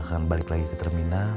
saya juga beli suai diri